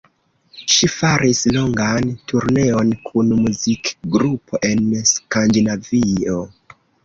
Ŝi faris longan turneon kun muzikgrupo en Skandinavio.